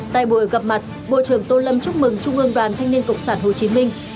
tại buổi gặp mặt bộ trưởng tô lâm chúc mừng trung ương đoàn thanh niên cộng sản hồ chí minh